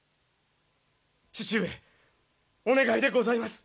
父上お願いでございます。